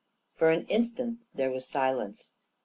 For an instant there was silence.